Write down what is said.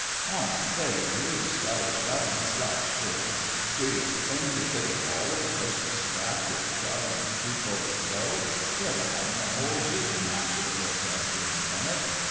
"Aw, say, youse fellows rattle me slats, sure. Do yer think the City Hall is the place to scrap, wid the jug only two floors below? Ye'll be havin' the whole shootin' match of the force up here in a minute.